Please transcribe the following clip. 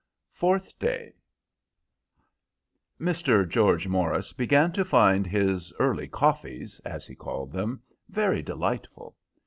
Fourth Day Mr. George Morris began to find his "early coffees," as he called them, very delightful.